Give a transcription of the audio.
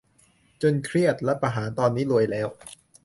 "จน เครียด รัฐประหาร" ตอนนี้รวยแล้ว